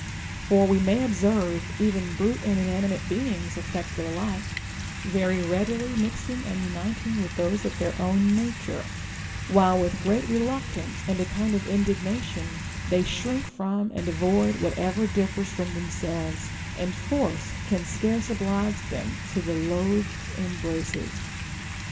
For, we may observe, even brute and inanimate beings affect their like, very readily mixing and uniting with those of their own nature ; while with great reluctance and u kind of indignation they shrink from and avoid what eΛ'er differs from themselves, and force can scarce oblige them to the loathed embraces.